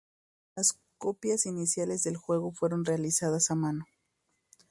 Las copias iniciales del juego fueron realizadas a mano.